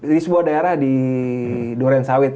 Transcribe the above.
di sebuah daerah di durensawit